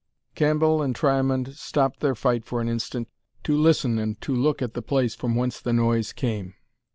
Cambell and Triamond stopped their fight for an instant to listen and to look at the place from whence the noise came.